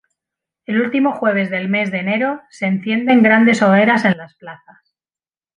El último jueves del mes de enero se encienden grandes hogueras en las plazas.